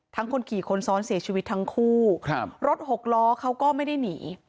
คนขี่คนซ้อนเสียชีวิตทั้งคู่ครับรถหกล้อเขาก็ไม่ได้หนี